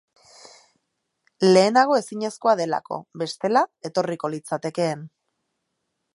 Lehenago ezinezkoa delako, bestela etorriko litzatekeen.